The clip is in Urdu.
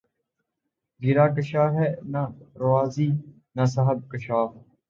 گرہ کشا ہے نہ رازیؔ نہ صاحب کشافؔ